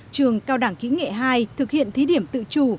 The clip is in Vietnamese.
trường cao đẳng kỹ nghệ hai thực hiện thí điểm tự chủ